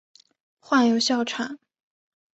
患有哮喘。